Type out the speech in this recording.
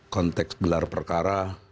konteks gelar perkara